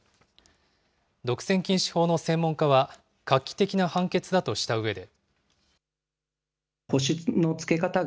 独占禁止法の専門家は、画期的な判決だとしたうえで。